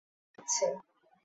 ভয়ংকর একটি চক্র ভেঙে যাচ্ছে।